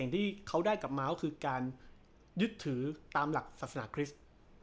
ที่เขาได้กลับมาก็คือการยึดถือตามหลักศาสนาคริสต์